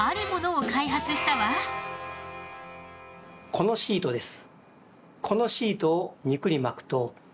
このシートです。